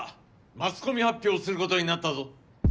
マスコミ発表することになったぞ。